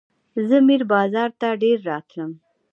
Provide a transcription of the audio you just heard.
زه میر بازار ته ډېر راتلم.